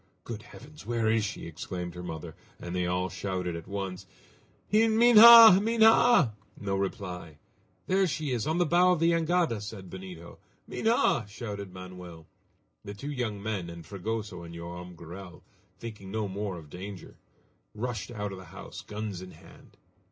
"Good heavens! where is she?" exclaimed her mother, and they all shouted at once: "Himha! Minha!" No reply. "There she is, on the bow of the jangada!" said Benito. "Minha!" shouted Manoel. The two young men, and Fragoso and Joam Garral, thinking no more of danger, rushed out of the house, guns in hand.